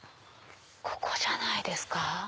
ここじゃないですか？